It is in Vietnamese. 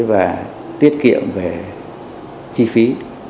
và tiết kiệm về chi phí